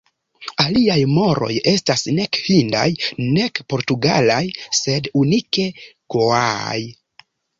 Aliaj moroj estas nek hindaj nek portugalaj, sed unike goaaj.